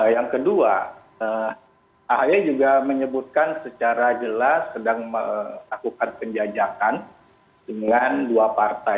yang kedua ahy juga menyebutkan secara jelas sedang melakukan penjajakan dengan dua partai